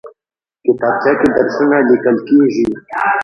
کتابچه کې درسونه لیکل کېږي